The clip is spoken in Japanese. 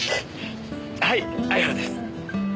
はい相原です。